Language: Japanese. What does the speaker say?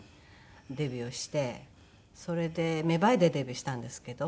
それで『芽ばえ』でデビューしたんですけど。